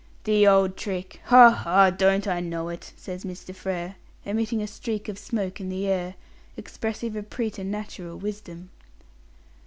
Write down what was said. "The old trick. Ha! ha! don't I know it?" says Mr. Frere, emitting a streak of smoke in the air, expressive of preternatural wisdom.